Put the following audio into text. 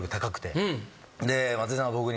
松井さんが僕に。